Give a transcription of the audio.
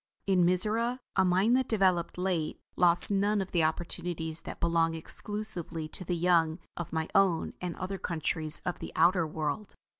In Mizora, a mind that developed late lost none of the opportunities that belong exclusively to the young of my own and other countries of the outer world.